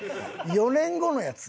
４年後のやつ？